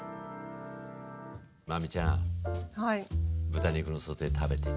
真海ちゃん豚肉のソテー食べて。